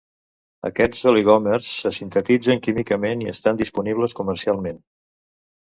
Aquests oligòmers se sintetitzen químicament i estan disponibles comercialment.